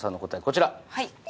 こちら。